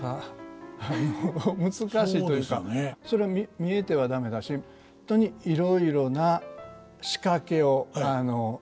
それ見えては駄目だし本当にいろいろな仕掛けをしてるんですね。